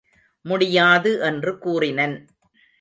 முடியாது என்று கூறினன்.